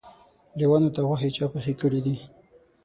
لېوانو ته غوښې چا پخې کړي دي؟